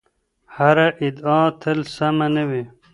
هره ادعا تل سمه نه وي.